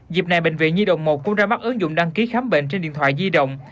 dịp này bệnh viện nhi đồng một cũng ra mắt ứng dụng đăng ký khám bệnh trên điện thoại di động